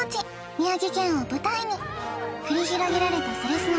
宮城県を舞台に繰り広げられた「それスノ」